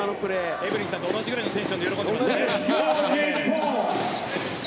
エブリンさんと同じくらいのテンションで喜んでましたね。